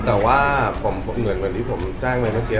แต่ว่าเหมือนกับที่ผมแจ้งเมื่อเมื่อกี้